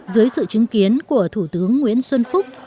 dưới sự chứng kiến của thủ tướng nguyễn xuân phúc